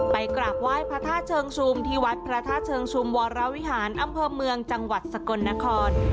กราบไหว้พระธาตุเชิงชุมที่วัดพระธาตุเชิงชุมวรวิหารอำเภอเมืองจังหวัดสกลนคร